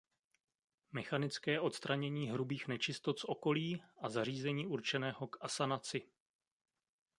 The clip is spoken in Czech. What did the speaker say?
Mechanické odstranění hrubých nečistot z okolí a zařízení určeného k asanaci.